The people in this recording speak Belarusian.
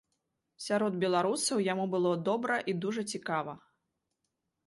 Сярод беларусаў яму было добра і дужа цікава.